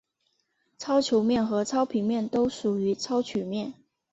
超球面和超平面都属于超曲面。